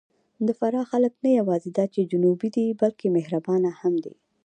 د فراه خلک نه یواځې دا چې جنوبي دي، بلکې مهربانه هم دي.